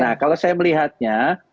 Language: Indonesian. nah kalau saya melihatnya